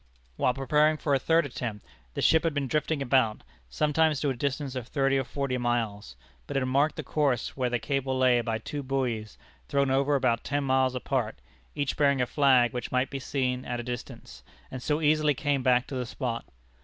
While preparing for a third attempt, the ship had been drifting about, sometimes to a distance of thirty or forty miles, but it had marked the course where the cable lay by two buoys, thrown over about ten miles apart, each bearing a flag which might be seen at a distance, and so easily came back to the spot.